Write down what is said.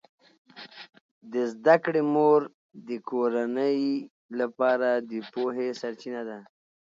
د زده کړې مور د کورنۍ لپاره د پوهې سرچینه ده.